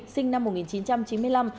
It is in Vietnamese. sinh năm một nghìn chín trăm chín mươi năm